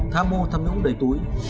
tham mô thăm nhũng đầy túi